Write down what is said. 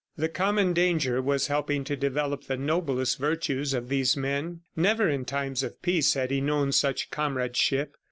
The common danger was helping to develop the noblest virtues of these men. Never, in times of peace, had he known such comradeship.